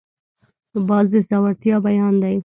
باز د زړورتیا بیان دی